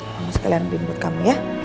mama sekalian bimbut kamu ya